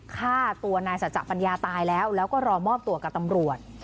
ฆ่าตัวนายสัจจะปัญญาตายแล้วแล้วก็รอมอบตัวกับตำรวจ